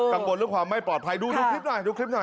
กังวลเรื่องความไม่ปลอดภัยดูดูคลิปหน่อยดูคลิปหน่อย